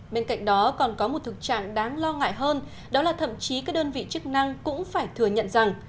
bên cạnh đó còn có một thực trạng đáng lo ngại hơn đó là thậm chí các đơn vị chức năng cũng phải thừa nhận rằng